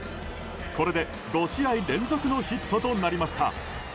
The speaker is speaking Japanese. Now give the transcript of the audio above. これで５試合連続のヒットとなりました。